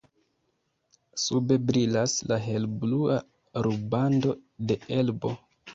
Sube brilas la helblua rubando de Elbo.